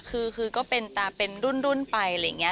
คือก็เป็นตาเป็นรุ่นไปอะไรอย่างนี้